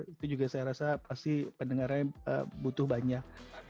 itu juga saya rasa pasti pendengarannya butuh banyak